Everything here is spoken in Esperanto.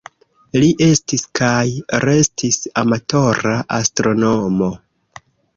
Li estis kaj restis amatora astronomo.